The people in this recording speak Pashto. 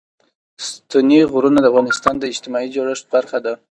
ستوني غرونه د افغانستان د اجتماعي جوړښت برخه ده.